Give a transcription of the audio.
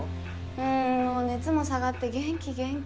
うんもう熱も下がって元気元気。